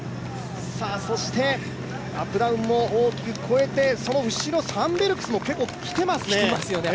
アップダウンも大きく超えて、その後ろサンベルクスも結構きてますよね。